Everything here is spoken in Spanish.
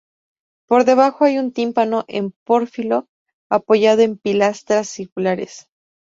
Por debajo hay un tímpano, en pórfido, apoyado en pilastras circulares.